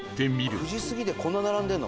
９時過ぎでこんなに並んでるの？